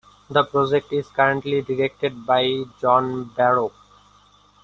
The project is currently directed by John Barrow.